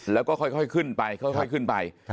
แล้วก็ค่อยขึ้นไปค่อยขึ้นไป